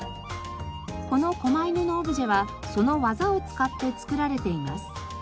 この狛犬のオブジェはその技を使って作られています。